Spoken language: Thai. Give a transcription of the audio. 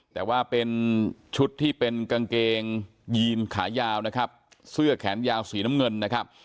แต่ว่าเป็นชุดที่เป็นกางเกงยีนขายาวนะครับเสื้อแขนยาวสีน้ำเงินนะครับ